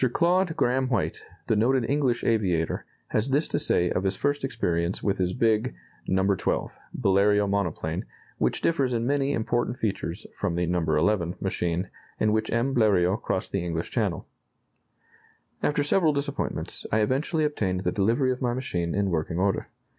Claude Grahame White, the noted English aviator, has this to say of his first experience with his big "No. XII." Bleriot monoplane which differs in many important features from the "No. XI." machine in which M. Bleriot crossed the English Channel: "After several disappointments, I eventually obtained the delivery of my machine in working order....